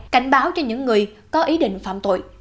cảnh báo cho những người có ý định phạm tội